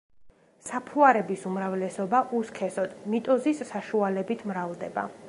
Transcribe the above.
საფუარების უმრავლესობა უსქესოდ, მიტოზის საშუალებით მრავლდება.